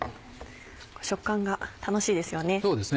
食感が楽しいですよね。